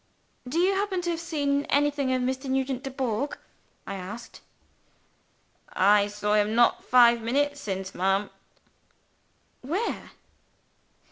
"Do you happen to have seen anything of Mr. Nugent Dubourg?" I asked. "I saw him not five minutes since, ma'am." "Where?"